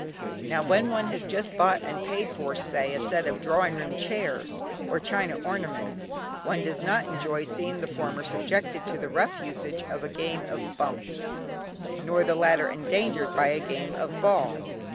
Now when one has just bought, and paid for, say, a set of drawing room chairs, or china ornaments, one does not enjoy seeing the former subjected to the rough usage of a game of "Bumps" nor the latter endangered by a game of Ball.